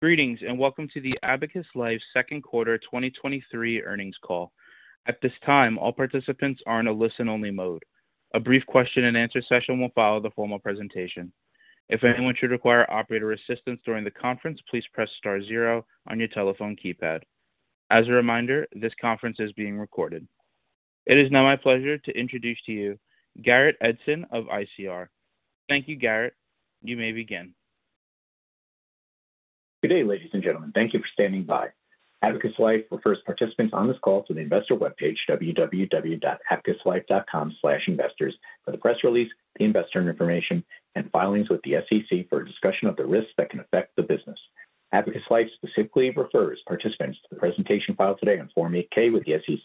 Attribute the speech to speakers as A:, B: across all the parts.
A: Greetings, welcome to the Abacus Life Second Quarter 2023 Earnings Call. At this time, all participants are in a listen-only mode. A brief question and answer session will follow the formal presentation. If anyone should require operator assistance during the conference, please press star zero on your telephone keypad. As a reminder, this conference is being recorded. It is now my pleasure to introduce to you Garrett Edson of ICR. Thank you, Garrett. You may begin.
B: Good day, ladies and gentlemen. Thank you for standing by. Abacus Life refers participants on this call to the investor webpage, www.abacuslife.com/investors, for the press release, the investor information, and filings with the SEC for a discussion of the risks that can affect the business. Abacus Life specifically refers participants to the presentation filed today on Form 8-K with the SEC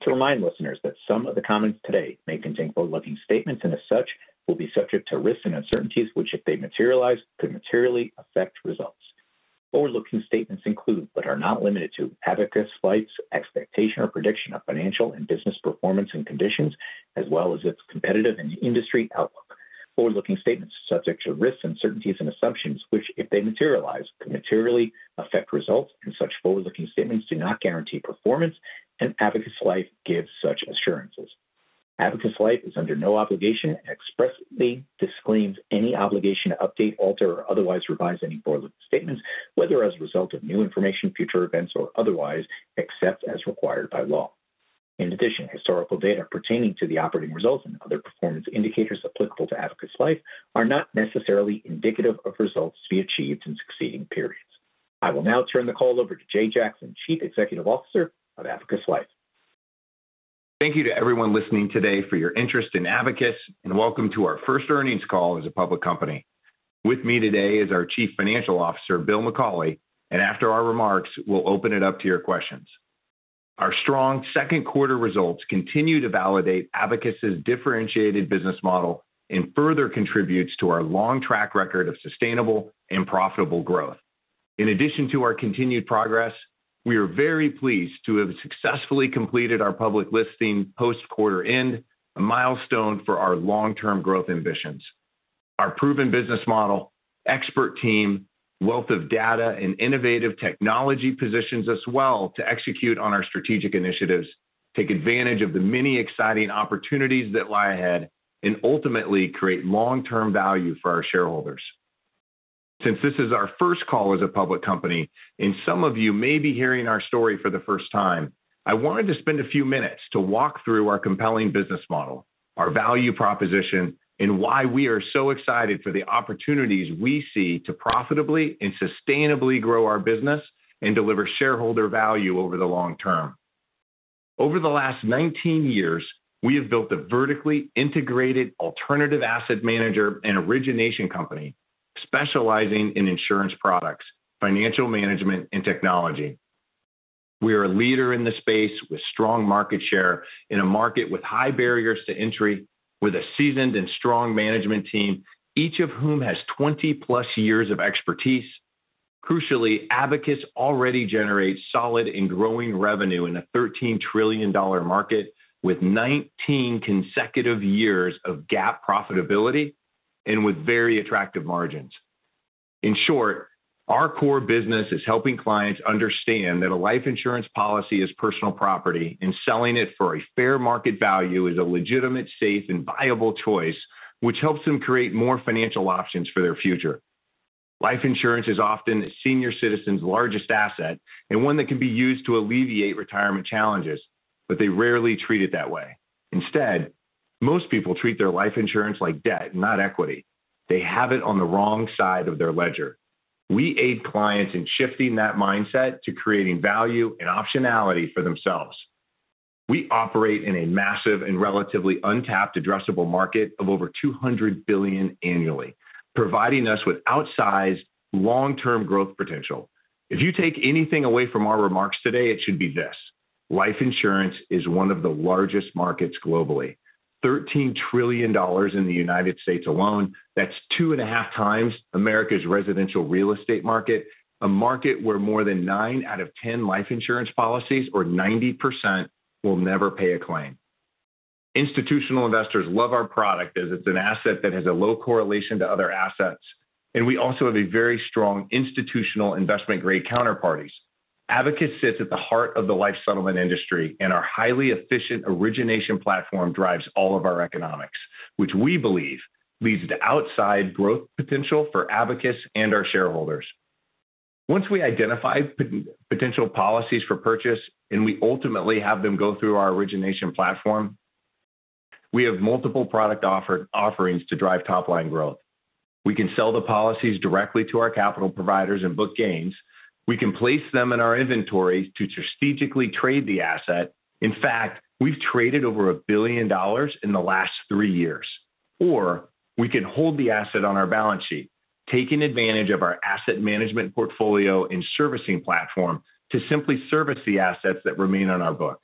B: to remind listeners that some of the comments today may contain forward-looking statements and as such, will be subject to risks and uncertainties, which, if they materialize, could materially affect results. Forward-looking statements include, but are not limited to, Abacus Life's expectation or prediction of financial and business performance and conditions, as well as its competitive and industry outlook. Forward-looking statements are subject to risks, uncertainties, and assumptions, which, if they materialize, could materially affect results, and such forward-looking statements do not guarantee performance, and Abacus Life gives such assurances. Abacus Life is under no obligation and expressly disclaims any obligation to update, alter, or otherwise revise any forward-looking statements, whether as a result of new information, future events, or otherwise, except as required by law. In addition, historical data pertaining to the operating results and other performance indicators applicable to Abacus Life are not necessarily indicative of results to be achieved in succeeding periods. I will now turn the call over to Jay Jackson, Chief Executive Officer of Abacus Life.
C: Thank you to everyone listening today for your interest in Abacus. Welcome to our first earnings call as a public company. With me today is our Chief Financial Officer, Bill McCauley. After our remarks, we'll open it up to your questions. Our strong second quarter results continue to validate Abacus's differentiated business model and further contributes to our long track record of sustainable and profitable growth. In addition to our continued progress, we are very pleased to have successfully completed our public listing post quarter end, a milestone for our long-term growth ambitions. Our proven business model, expert team, wealth of data, and innovative technology positions us well to execute on our strategic initiatives, take advantage of the many exciting opportunities that lie ahead, and ultimately create long-term value for our shareholders. Since this is our first call as a public company, and some of you may be hearing our story for the first time, I wanted to spend a few minutes to walk through our compelling business model, our value proposition, and why we are so excited for the opportunities we see to profitably and sustainably grow our business and deliver shareholder value over the long term. Over the last 19 years, we have built a vertically integrated alternative asset manager and origination company specializing in insurance products, financial management, and technology. We are a leader in the space with strong market share in a market with high barriers to entry, with a seasoned and strong management team, each of whom has 20+ years of expertise. Crucially, Abacus already generates solid and growing revenue in a $13 trillion market with 19 consecutive years of GAAP profitability and with very attractive margins. In short, our core business is helping clients understand that a life insurance policy is personal property, and selling it for a fair market value is a legitimate, safe, and viable choice, which helps them create more financial options for their future. Life insurance is often a senior citizen's largest asset and one that can be used to alleviate retirement challenges, but they rarely treat it that way. Instead, most people treat their life insurance like debt, not equity. They have it on the wrong side of their ledger. We aid clients in shifting that mindset to creating value and optionality for themselves. We operate in a massive and relatively untapped addressable market of over $200 billion annually, providing us with outsized, long-term growth potential. If you take anything away from our remarks today, it should be this: Life insurance is one of the largest markets globally, $13 trillion in the United States alone. That's two and a half times America's residential real estate market, a market where more than nine out of 10 life insurance policies, or 90%, will never pay a claim. Institutional investors love our product, as it's an asset that has a low correlation to other assets, and we also have a very strong institutional investment-grade counterparties. Abacus sits at the heart of the life settlement industry, and our highly efficient origination platform drives all of our economics, which we believe leads to outside growth potential for Abacus and our shareholders. Once we identify potential policies for purchase, we ultimately have them go through our origination platform, we have multiple product offerings to drive top-line growth. We can sell the policies directly to our capital providers and book gains. We can place them in our inventory to strategically trade the asset. In fact, we've traded over $1 billion in the last three years. We can hold the asset on our balance sheet, taking advantage of our asset management portfolio and servicing platform to simply service the assets that remain on our book.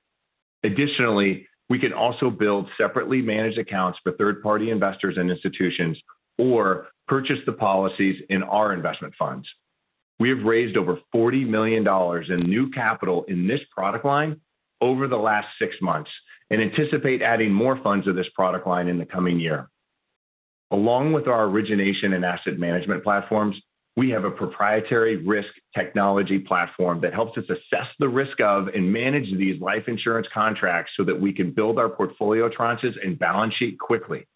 C: Additionally, we can also build separately managed accounts for third-party investors and institutions or purchase the policies in our investment funds. We have raised over $40 million in new capital in this product line over the last six months and anticipate adding more funds to this product line in the coming year. Along with our origination and asset management platforms, we have a proprietary risk technology platform that helps us assess the risk of and manage these life insurance contracts so that we can build our portfolio tranches and balance sheet quickly,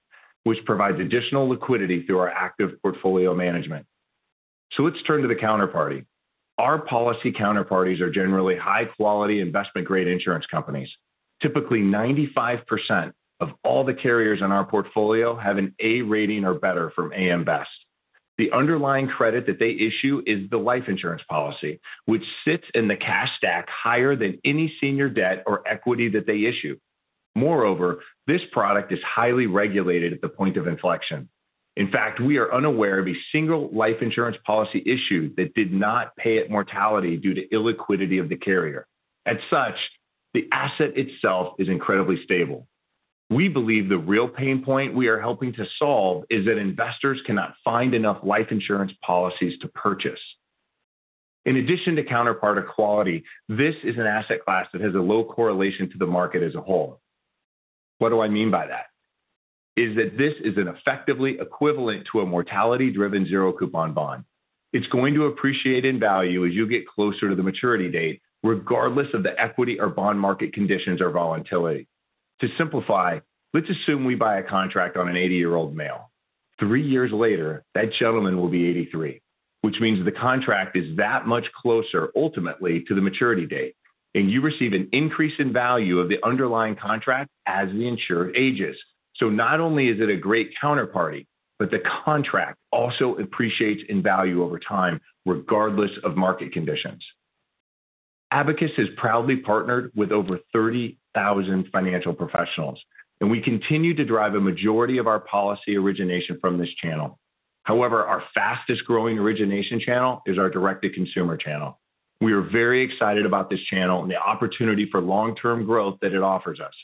C: which provides additional liquidity through our active portfolio management. Let's turn to the counterparty. Our policy counterparties are generally high-quality, investment-grade insurance companies. Typically, 95% of all the carriers in our portfolio have an A rating or better from AM Best. The underlying credit that they issue is the life insurance policy, which sits in the cash stack higher than any senior debt or equity that they issue. Moreover, this product is highly regulated at the point of inflection. In fact, we are unaware of a single life insurance policy issued that did not pay at mortality due to illiquidity of the carrier. As such, the asset itself is incredibly stable. We believe the real pain point we are helping to solve is that investors cannot find enough life insurance policies to purchase. In addition to counterparty quality, this is an asset class that has a low correlation to the market as a whole. What do I mean by that? This is an effectively equivalent to a mortality-driven zero coupon bond. It's going to appreciate in value as you get closer to the maturity date, regardless of the equity or bond market conditions or volatility. To simplify, let's assume we buy a contract on an 80-year-old male. Three years later, that gentleman will be 83, which means the contract is that much closer ultimately to the maturity date, and you receive an increase in value of the underlying contract as the insured ages. Not only is it a great counterparty, but the contract also appreciates in value over time, regardless of market conditions. Abacus has proudly partnered with over 30,000 financial professionals, and we continue to drive a majority of our policy origination from this channel. However, our fastest-growing origination channel is our direct-to-consumer channel. We are very excited about this channel and the opportunity for long-term growth that it offers us.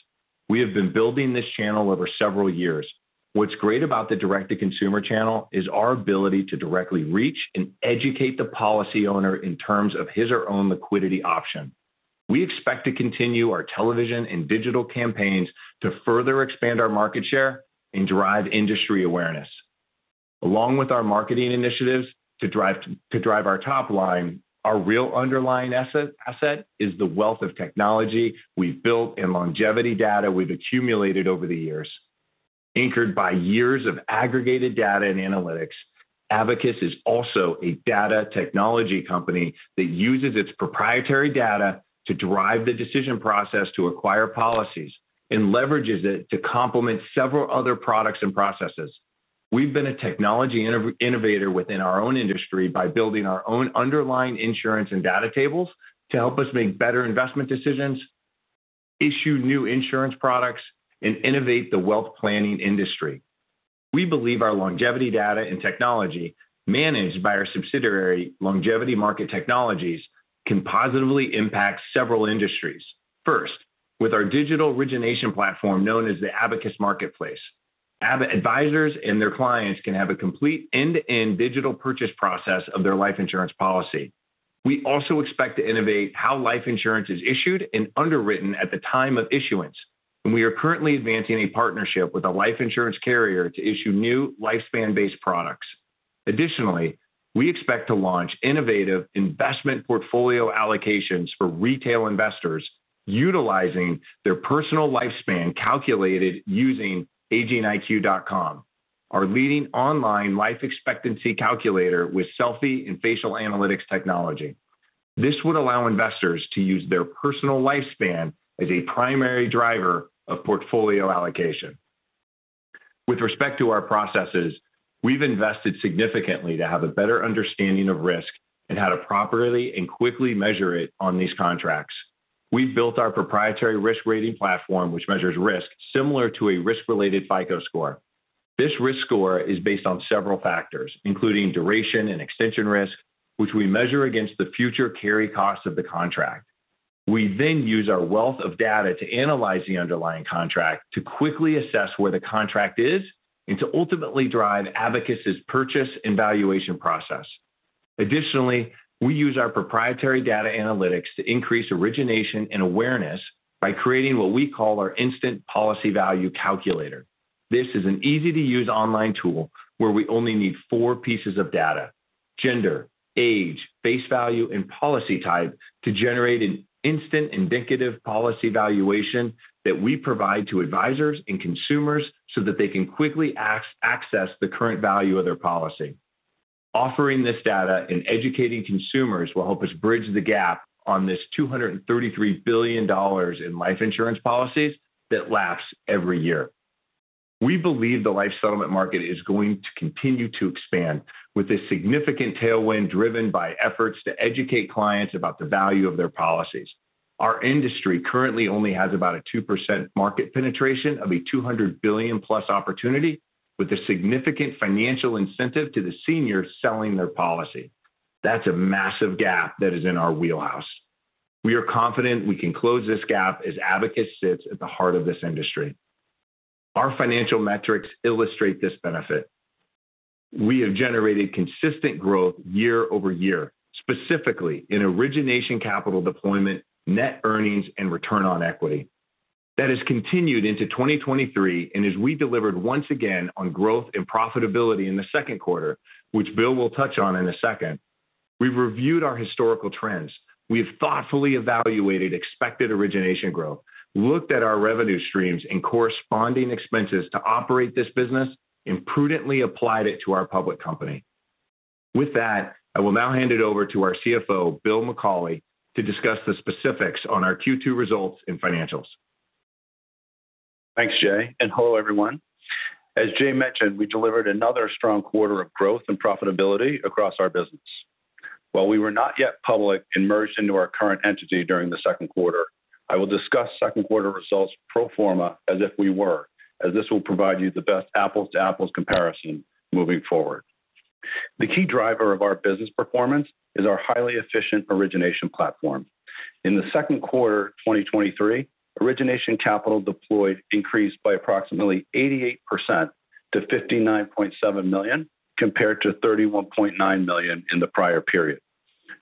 C: We have been building this channel over several years. What's great about the direct-to-consumer channel is our ability to directly reach and educate the policy owner in terms of his or own liquidity option. We expect to continue our television and digital campaigns to further expand our market share and drive industry awareness. Along with our marketing initiatives to drive, to drive our top line, our real underlying asset, asset is the wealth of technology we've built and longevity data we've accumulated over the years. Anchored by years of aggregated data and analytics, Abacus is also a data technology company that uses its proprietary data to drive the decision process to acquire policies and leverages it to complement several other products and processes. We've been a technology innovator within our own industry by building our own underlying insurance and data tables to help us make better investment decisions, issue new insurance products, and innovate the wealth planning industry. We believe our longevity data and technology, managed by our subsidiary, Longevity Market Technologies, can positively impact several industries. First, with our digital origination platform, known as the Abacus Marketplace. Advisors and their clients can have a complete end-to-end digital purchase process of their life insurance policy. We also expect to innovate how life insurance is issued and underwritten at the time of issuance. We are currently advancing a partnership with a life insurance carrier to issue new lifespan-based products. Additionally, we expect to launch innovative investment portfolio allocations for retail investors utilizing their personal lifespan, calculated using agingiq.com, our leading online life expectancy calculator with selfie and facial analytics technology. This would allow investors to use their personal lifespan as a primary driver of portfolio allocation. With respect to our processes, we've invested significantly to have a better understanding of risk and how to properly and quickly measure it on these contracts. We've built our proprietary risk rating platform, which measures risk similar to a risk-related FICO score. This risk score is based on several factors, including duration and extension risk, which we measure against the future carry costs of the contract. We use our wealth of data to analyze the underlying contract to quickly assess where the contract is and to ultimately drive Abacus' purchase and valuation process. Additionally, we use our proprietary data analytics to increase origination and awareness by creating what we call our instant policy value calculator. This is an easy-to-use online tool where we only need four pieces of data: gender, age, face value, and policy type, to generate an instant indicative policy valuation that we provide to advisors and consumers so that they can quickly access the current value of their policy. Offering this data and educating consumers will help us bridge the gap on this $233 billion in life insurance policies that lapse every year. We believe the life settlement market is going to continue to expand with a significant tailwind, driven by efforts to educate clients about the value of their policies. Our industry currently only has about a 2% market penetration of a $200 billion+ opportunity, with a significant financial incentive to the seniors selling their policy. That's a massive gap that is in our wheelhouse. We are confident we can close this gap as Abacus sits at the heart of this industry. Our financial metrics illustrate this benefit. We have generated consistent growth year-over-year, specifically in origination capital deployment, net earnings, and return on equity. That has continued into 2023, and as we delivered once again on growth and profitability in the second quarter, which Bill will touch on in a second, we've reviewed our historical trends. We have thoughtfully evaluated expected origination growth, looked at our revenue streams and corresponding expenses to operate this business, and prudently applied it to our public company. With that, I will now hand it over to our CFO, Bill McCauley, to discuss the specifics on our Q2 results and financials.
D: Thanks, Jay, and hello, everyone. As Jay mentioned, we delivered another strong quarter of growth and profitability across our business. While we were not yet public and merged into our current entity during the second quarter, I will discuss second quarter results pro forma as if we were, as this will provide you the best apples-to-apples comparison moving forward. The key driver of our business performance is our highly efficient origination platform. In the second quarter of 2023, origination capital deployed increased by approximately 88% to $59.7 million, compared to $31.9 million in the prior period,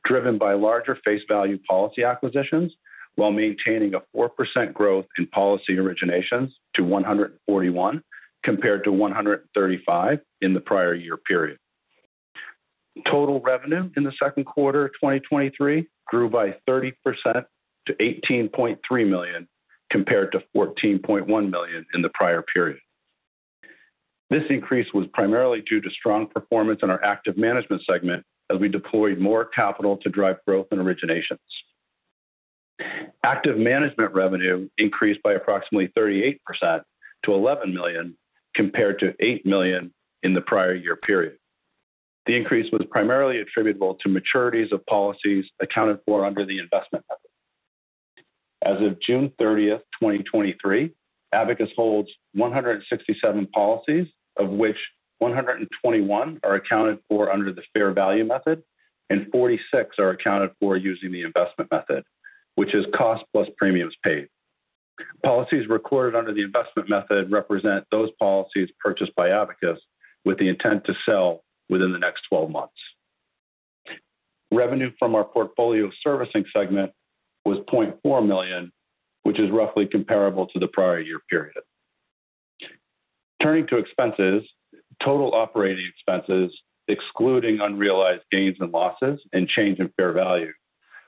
D: driven by larger face value policy acquisitions, while maintaining a 4% growth in policy originations to 141, compared to 135 in the prior year period. Total revenue in the second quarter of 2023 grew by 30% to $18.3 million, compared to $14.1 million in the prior period. This increase was primarily due to strong performance in our Active Management segment as we deployed more capital to drive growth and originations. Active Management revenue increased by approximately 38% to $11 million, compared to $8 million in the prior year period. The increase was primarily attributable to maturities of policies accounted for under the investment method. As of June 30th, 2023, Abacus holds 167 policies, of which 121 are accounted for under the fair value method, and 46 are accounted for using the investment method, which is cost plus premiums paid. Policies recorded under the investment method represent those policies purchased by Abacus with the intent to sell within the next 12 months. Revenue from our Portfolio Servicing segment was $0.4 million, which is roughly comparable to the prior year period. Turning to expenses, total operating expenses, excluding unrealized gains and losses and change in fair value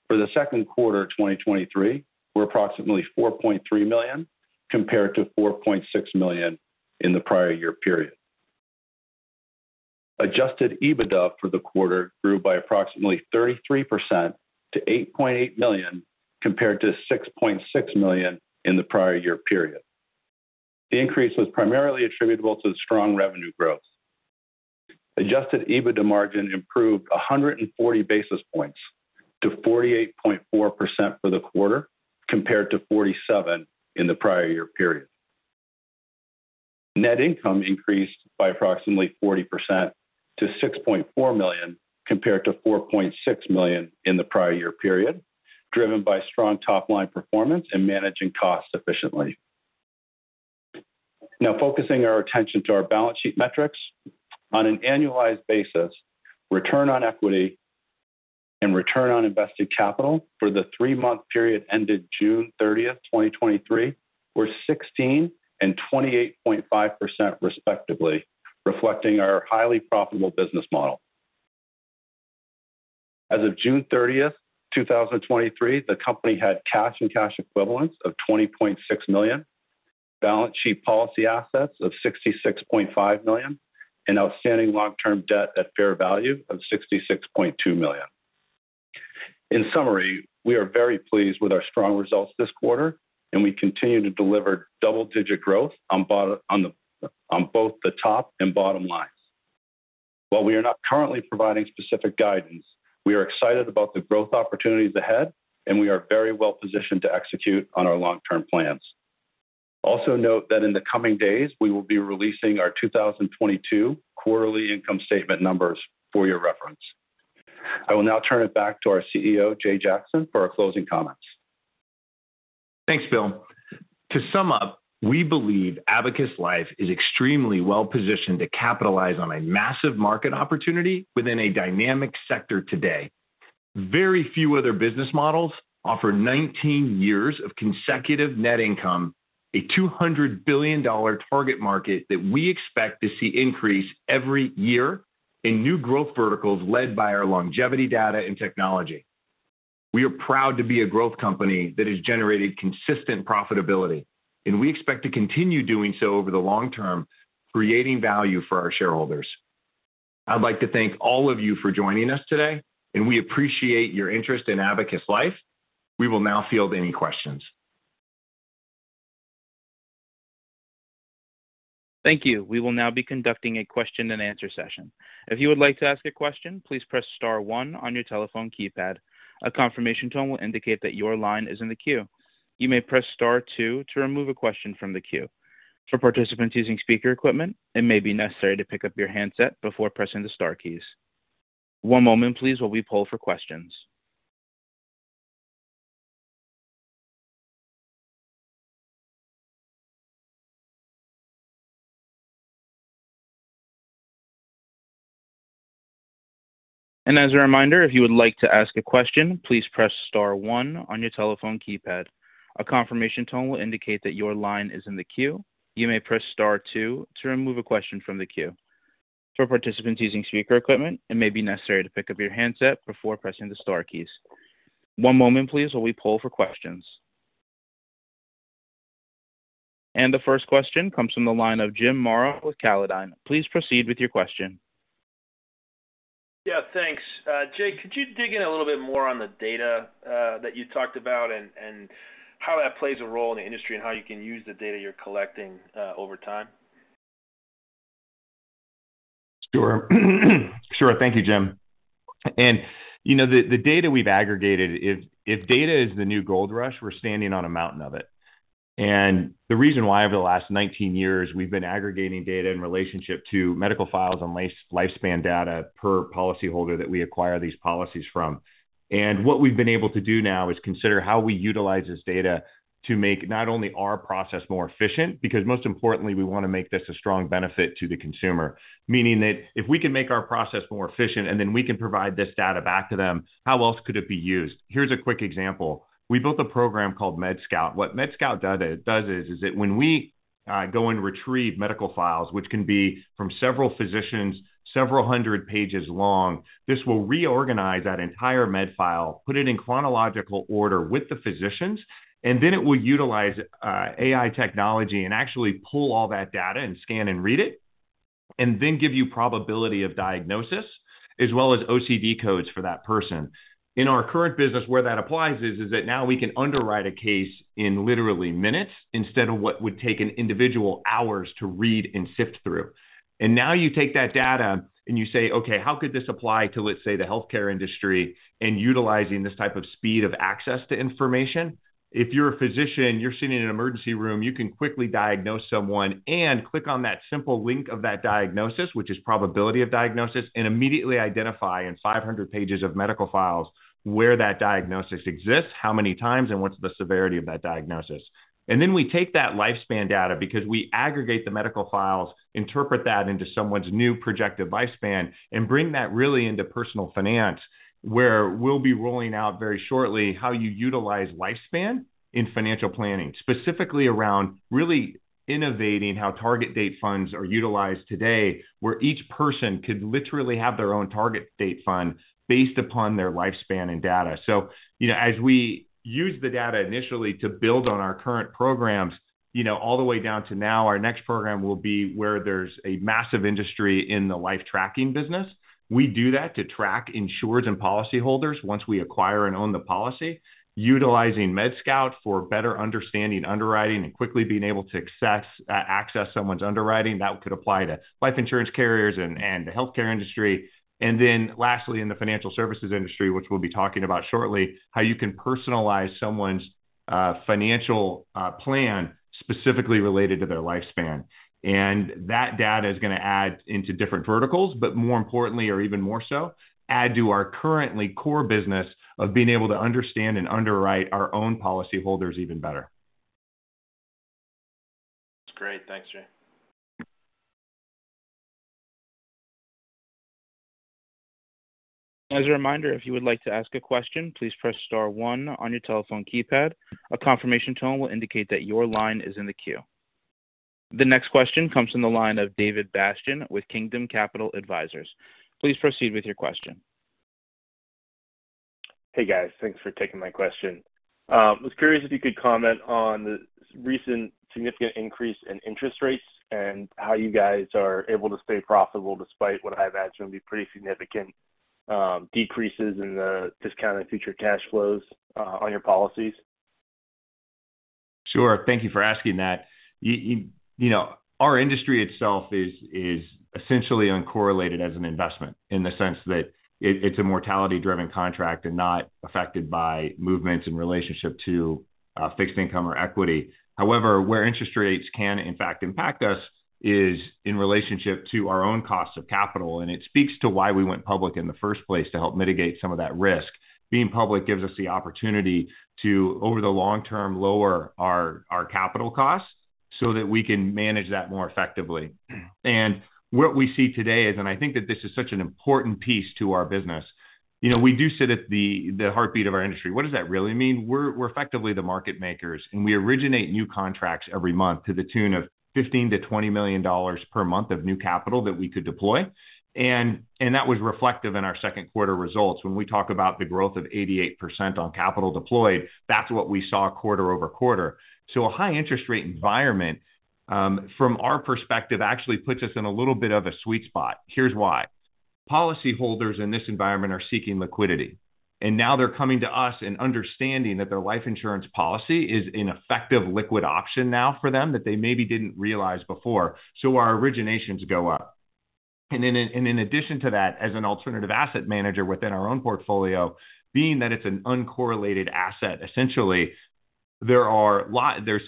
D: for the second quarter of 2023, were approximately $4.3 million, compared to $4.6 million in the prior year period. Adjusted EBITDA for the quarter grew by approximately 33% to $8.8 million, compared to $6.6 million in the prior year period. The increase was primarily attributable to the strong revenue growth. Adjusted EBITDA margin improved 140 basis points to 48.4% for the quarter, compared to 47% in the prior year period. Net income increased by approximately 40% to $6.4 million, compared to $4.6 million in the prior year period, driven by strong top-line performance and managing costs efficiently. Now, focusing our attention to our balance sheet metrics. On an annualized basis, return on equity and return on invested capital for the three-month period ended June 30, 2023, were 16% and 28.5%, respectively, reflecting our highly profitable business model. As of June 30, 2023, the company had cash and cash equivalents of $20.6 million, balance sheet policy assets of $66.5 million, and outstanding long-term debt at fair value of $66.2 million. In summary, we are very pleased with our strong results this quarter, and we continue to deliver double-digit growth on bottom - on both the top and bottom lines. While we are not currently providing specific guidance, we are excited about the growth opportunities ahead, and we are very well positioned to execute on our long-term plans. Note that in the coming days, we will be releasing our 2022 quarterly income statement numbers for your reference. I will now turn it back to our CEO, Jay Jackson, for our closing comments.
C: Thanks, Bill. To sum up, we believe Abacus Life is extremely well positioned to capitalize on a massive market opportunity within a dynamic sector today. Very few other business models offer 19 years of consecutive net income, a $200 billion target market that we expect to see increase every year in new growth verticals led by our longevity data and technology. We are proud to be a growth company that has generated consistent profitability, and we expect to continue doing so over the long term, creating value for our shareholders. I'd like to thank all of you for joining us today, and we appreciate your interest in Abacus Life. We will now field any questions.
A: Thank you. We will now be conducting a question and answer session. If you would like to ask a question, please press star one on your telephone keypad. A confirmation tone will indicate that your line is in the queue. You may press star two to remove a question from the queue. For participants using speaker equipment, it may be necessary to pick up your handset before pressing the star keys. One moment, please, while we poll for questions. As a reminder, if you would like to ask a question, please press star one on your telephone keypad. A confirmation tone will indicate that your line is in the queue. You may press star two to remove a question from the queue. For participants using speaker equipment, it may be necessary to pick up your handset before pressing the star keys. One moment please, while we poll for questions. The first question comes from the line of Jim Morrow with Callodine. Please proceed with your question.
E: Yeah, thanks. Jay, could you dig in a little bit more on the data, that you talked about and, and how that plays a role in the industry, and how you can use the data you're collecting, over time?
C: Sure. Sure. Thank you, Jim. You know, the, the data we've aggregated is, if data is the new gold rush, we're standing on a mountain of it. The reason why, over the last 19 years, we've been aggregating data in relationship to medical files and lifespan data per policyholder that we acquire these policies from. What we've been able to do now is consider how we utilize this data to make not only our process more efficient, because most importantly, we wanna make this a strong benefit to the consumer. Meaning that if we can make our process more efficient, and then we can provide this data back to them, how else could it be used? Here's a quick example. We built a program called Med Scout. What Med Scout does is, is that when we go and retrieve medical files, which can be from several physicians, several hundred pages long, this will reorganize that entire med file, put it in chronological order with the physicians, and then it will utilize AI technology and actually pull all that data and scan and read it, and then give you probability of diagnosis, as well as ICD codes for that person. In our current business, where that applies is, is that now we can underwrite a case in literally minutes, instead of what would take an individual hours to read and sift through. Now you take that data and you say, "Okay, how could this apply to, let's say, the healthcare industry and utilizing this type of speed of access to information?" If you're a physician, you're sitting in an emergency room, you can quickly diagnose someone and click on that simple link of that diagnosis, which is probability of diagnosis, and immediately identify in 500 pages of medical files where that diagnosis exists, how many times, and what's the severity of that diagnosis. Then we take that lifespan data, because we aggregate the medical files, interpret that into someone's new projected lifespan, and bring that really into personal finance, where we'll be rolling out very shortly, how you utilize lifespan in financial planning. Specifically around really innovating how target date funds are utilized today, where each person could literally have their own target date fund based upon their lifespan and data. You know, as we use the data initially to build on our current programs, you know, all the way down to now, our next program will be where there's a massive industry in the life tracking business. We do that to track insurers and policyholders once we acquire and own the policy, utilizing Med Scout for better understanding underwriting and quickly being able to access, access someone's underwriting. That could apply to life insurance carriers and, and the healthcare industry. Lastly, in the financial services industry, which we'll be talking about shortly, how you can personalize someone's financial plan specifically related to their lifespan. That data is gonna add into different verticals, but more importantly or even more so, add to our currently core business of being able to understand and underwrite our own policyholders even better.
E: That's great. Thanks, Jay.
A: As a reminder, if you would like to ask a question, please press star 1 on your telephone keypad. A confirmation tone will indicate that your line is in the queue. The next question comes from the line of David Bastian with Kingdom Capital Advisors. Please proceed with your question.
F: Hey, guys. Thanks for taking my question. I was curious if you could comment on the recent significant increase in interest rates, and how you guys are able to stay profitable despite what I imagine will be pretty significant decreases in the discounted future cash flows on your policies.
C: Sure. Thank you for asking that. You know, our industry itself is, is essentially uncorrelated as an investment, in the sense that it, it's a mortality-driven contract and not affected by movements in relationship to fixed income or equity. However, where interest rates can in fact impact us is in relationship to our own cost of capital, and it speaks to why we went public in the first place, to help mitigate some of that risk. Being public gives us the opportunity to, over the long term, lower our, our capital costs, so that we can manage that more effectively. What we see today is. I think that this is such an important piece to our business. You know, we do sit at the, the heartbeat of our industry. What does that really mean? We're, we're effectively the market makers, and we originate new contracts every month to the tune of $15 million-$20 million per month of new capital that we could deploy. That was reflective in our second quarter results. When we talk about the growth of 88% on capital deployed, that's what we saw quarter-over-quarter. A high interest rate environment, from our perspective, actually puts us in a little bit of a sweet spot. Here's why: policyholders in this environment are seeking liquidity, and now they're coming to us and understanding that their life insurance policy is an effective liquid option now for them that they maybe didn't realize before, so our originations go up. In addition to that, as an alternative asset manager within our own portfolio, being that it's an uncorrelated asset, essentially, there are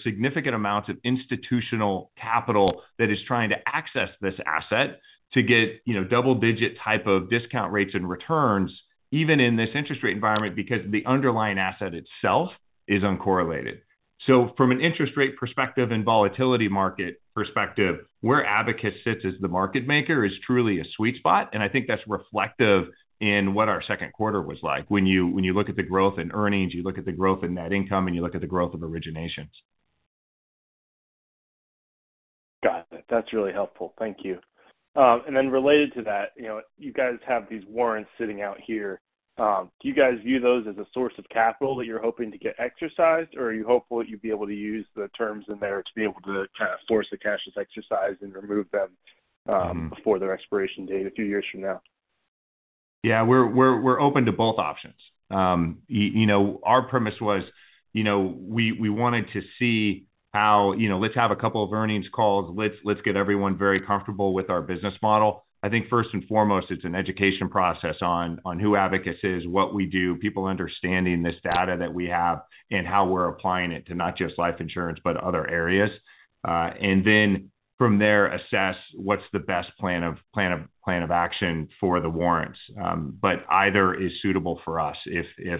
C: significant amounts of institutional capital that is trying to access this asset to get, you know, double-digit type of discount rates and returns, even in this interest rate environment, because the underlying asset itself is uncorrelated. From an interest rate perspective and volatility market perspective, where Abacus sits as the market maker is truly a sweet spot, and I think that's reflective in what our second quarter was like. When you, when you look at the growth in earnings, you look at the growth in net income, and you look at the growth of originations.
F: Got it. That's really helpful. Thank you. Then related to that, you know, you guys have these warrants sitting out here. Do you guys view those as a source of capital that you're hoping to get exercised, or are you hopeful that you'll be able to use the terms in there to be able to kind of force the cashless exercise and remove them before their expiration date a few years from now?
C: Yeah, we're, we're, we're open to both options. you know, our premise was, you know, we, we wanted to see how, you know, let's have a couple of earnings calls, let's, let's get everyone very comfortable with our business model. I think first and foremost, it's an education process on, on who Abacus is, what we do, people understanding this data that we have and how we're applying it to not just life insurance, but other areas. From there, assess what's the best plan of action for the warrants. Either is suitable for us. you know,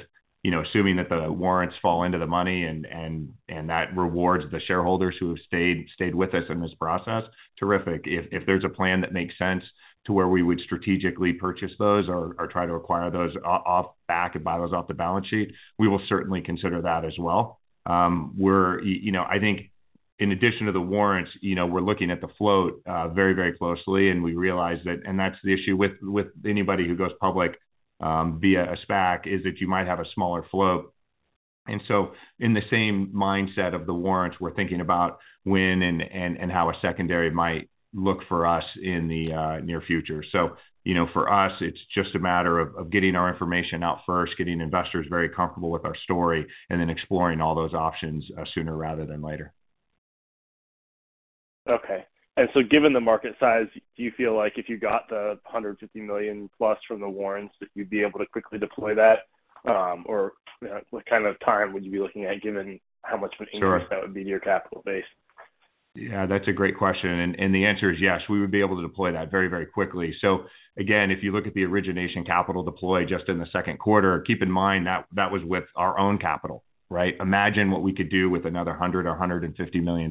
C: assuming that the warrants fall into the money and that rewards the shareholders who have stayed, stayed with us in this process, terrific. If there's a plan that makes sense to where we would strategically purchase those or, or try to acquire those off back and buy those off the balance sheet, we will certainly consider that as well. We're you know. I think in addition to the warrants, you know, we're looking at the float very, very closely, and we realize that. That's the issue with, with anybody who goes public via a SPAC, is that you might have a smaller float. In the same mindset of the warrants, we're thinking about when and, and, and how a secondary might look for us in the near future. You know, for us, it's just a matter of getting our information out first, getting investors very comfortable with our story, and then exploring all those options sooner rather than later.
F: Okay. Given the market size, do you feel like if you got the $150 million+ from the warrants, that you'd be able to quickly deploy that? You know, what kind of time would you be looking at, given how much of.
C: Sure
F: increase that would be to your capital base?
C: Yeah, that's a great question, and the answer is yes, we would be able to deploy that very, very quickly. Again, if you look at the origination capital deploy just in the second quarter, keep in mind that was with our own capital, right? Imagine what we could do with another $100 million or $150 million.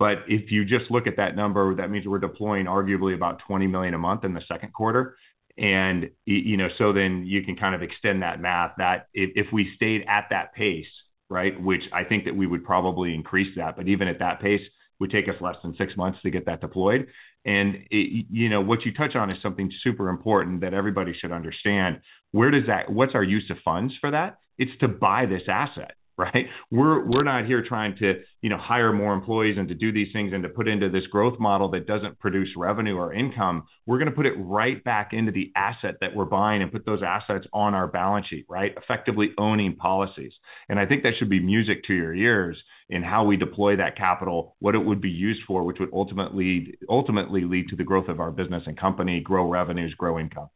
C: If you just look at that number, that means we're deploying arguably about $20 million a month in the second quarter. You know, so then you can kind of extend that math, that if, if we stayed at that pace, right, which I think that we would probably increase that, but even at that pace, would take us less than six months to get that deployed. You know, what you touch on is something super important that everybody should understand. What's our use of funds for that? It's to buy this asset, right? We're, we're not here trying to, you know, hire more employees and to do these things and to put into this growth model that doesn't produce revenue or income. We're gonna put it right back into the asset that we're buying and put those assets on our balance sheet, right? Effectively owning policies. I think that should be music to your ears in how we deploy that capital, what it would be used for, which would ultimately, ultimately lead to the growth of our business and company, grow revenues, grow income.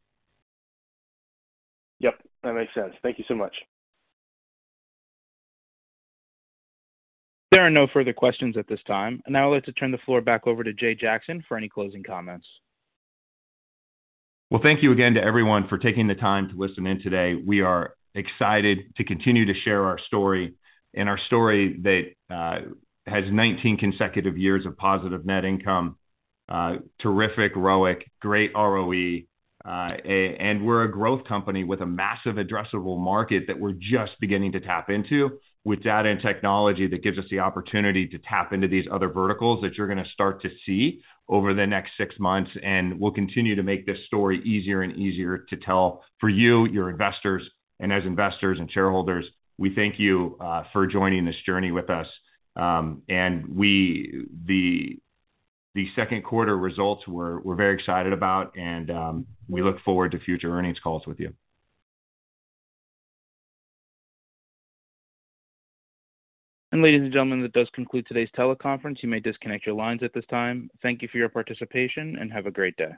F: Yep, that makes sense. Thank you so much.
A: There are no further questions at this time. I'd now like to turn the floor back over to Jay Jackson for any closing comments.
C: Well, thank you again to everyone for taking the time to listen in today. We are excited to continue to share our story, and our story that has 19 consecutive years of positive net income, terrific ROIC, great ROE, and we're a growth company with a massive addressable market that we're just beginning to tap into, with data and technology that gives us the opportunity to tap into these other verticals that you're going to start to see over the next six months. We'll continue to make this story easier and easier to tell for you, your investors. As investors and shareholders, we thank you for joining this journey with us. The second quarter results we're very excited about, and we look forward to future earnings calls with you.
A: Ladies and gentlemen, that does conclude today's teleconference. You may disconnect your lines at this time. Thank you for your participation, and have a great day.